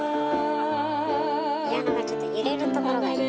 ピアノがちょっと揺れるところがいい。